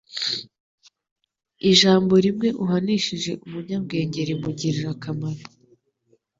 Ijambo rimwe uhanishije umunyabwenge rimugirira akamaro